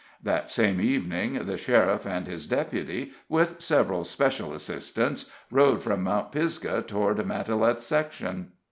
That same evening, the sheriff and his deputy, with several special assistants, rode from Mount Pisgah toward Matalette's section.